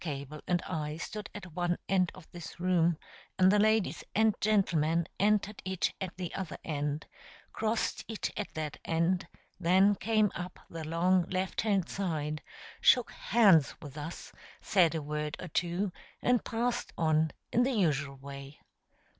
Cable and I stood at one end of this room, and the ladies and gentlemen entered it at the other end, crossed it at that end, then came up the long left hand side, shook hands with us, said a word or two, and passed on, in the usual way.